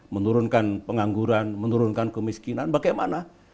menurunkan pengangguran menurunkan kemiskinan bagaimana